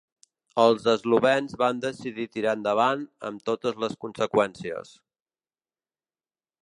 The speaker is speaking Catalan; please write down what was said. Els eslovens van decidir tirar endavant amb totes les conseqüències.